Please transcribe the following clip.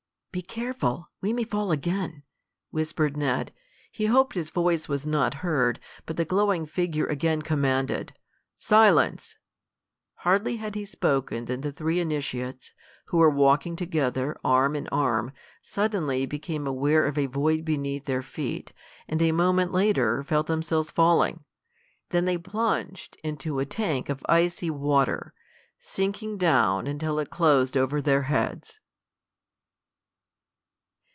"Be careful, we may fall again," whispered Ned. He hoped his voice was not heard, but the glowing figure again commanded: "Silence!" Hardly had he spoken than the three initiates, who were walking together, arm in arm, suddenly became aware of a void beneath their feet, and a moment later they felt themselves falling. Then they plunged into a tank of icy water, sinking down until it closed over their heads.